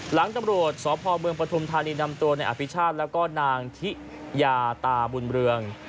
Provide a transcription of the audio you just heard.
หลังตำรวจสพเมืองปฐุมธานีนำตัวในอภิชาติแล้วก็นางทิยาตาบุญเรือง